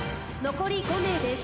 残り５名です。